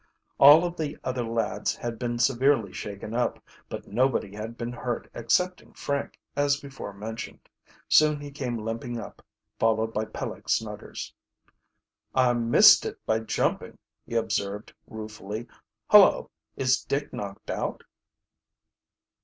All of the other lads had been severely shaken up, but nobody had been hurt excepting Frank, as before mentioned. Soon he came limping up, followed by Peleg Snuggers. "I missed it by jumping," he observed ruefully. "Hullo, is Dick knocked out?"